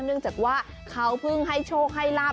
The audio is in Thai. เนื่องจากว่าเขาเพิ่งให้โชคให้ลาบ